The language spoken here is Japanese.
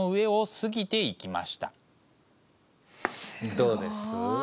どうです？